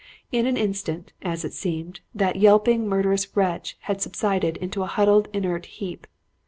In an instant, as it seemed, that yelping, murderous wretch had subsided into a huddled, inert heap.